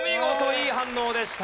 いい反応でした。